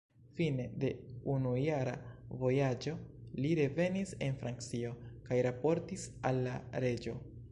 Fine de unujara vojaĝo, li revenis en Francio kaj raportis al la reĝo.